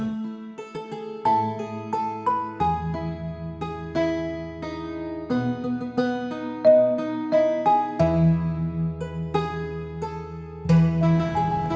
makasih pak sobri